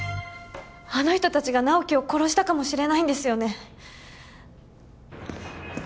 あの人達が直木を殺したかもしれないんですよね？